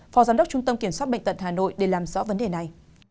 phó giám đốc trung tâm kiểm soát bệnh tận hà nội để làm rõ vấn đề này